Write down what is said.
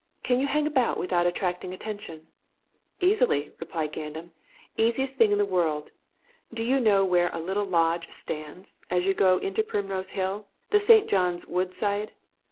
Can you hang about without attracting attention?" "Easily!" replied Gandam. "Easiest thing in the world. Do you know where a little lodge stands, as you go into Primrose Hill, the St. John's Wood side?